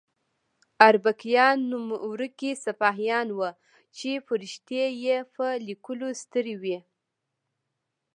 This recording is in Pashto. اربکیان نوم ورکي سپاهیان وو چې فرښتې یې په لیکلو ستړې وي.